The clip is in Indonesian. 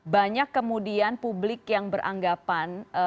banyak kemudian publik yang beranggapan